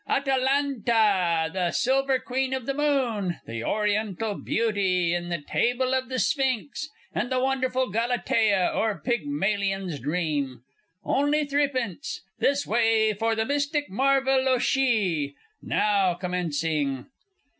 Atalanta, the Silver Queen of the Moon; the Oriental Beauty in the Table of the Sphinx, and the Wonderful Galatea, or Pygmalion's Dream. Only threepence! This way for the Mystic Marvel o' She! Now commencing!